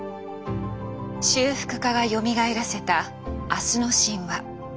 修復家がよみがえらせた「明日の神話」。